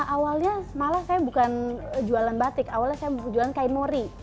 awalnya malah saya bukan jualan batik awalnya saya jualan kain mori